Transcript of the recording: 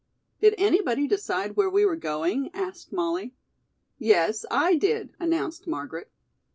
"Did anybody decide where we were going?" asked Molly. "Yes, I did," announced Margaret.